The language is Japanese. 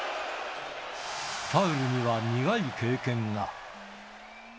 ファウルには苦い経験が。